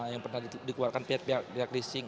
yang pernah dikeluarkan pihak pihak leasing